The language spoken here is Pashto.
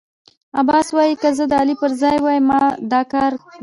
عباس وايی که زه د علي پر ځای وای ما دا کارنه کاوه.